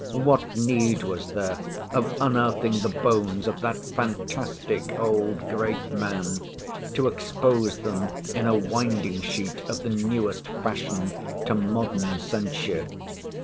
What need was there of unearthing the bones of that fantastic old great man, to expose them in a winding sheet of the newest fashion to modern censure?